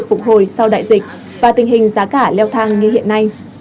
phục hồi sau đại dịch và tình hình giá cả leo thang như hiện nay